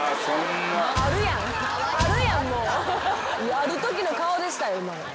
あるときの顔でしたよ。